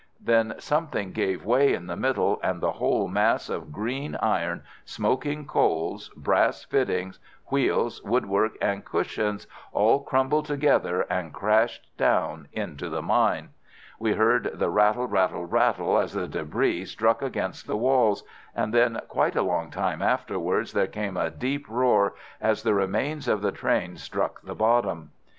Then something gave way in the middle, and the whole mass of green iron, smoking coals, brass fittings, wheels, woodwork, and cushions all crumbled together and crashed down into the mine. We heard the rattle, rattle, rattle, as the débris struck against the walls, and then quite a long time afterwards there came a deep roar as the remains of the train struck the bottom.